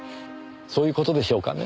そういう事でしょうかね？